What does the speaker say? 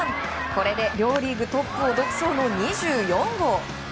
これで両リーグトップを独走の２４号。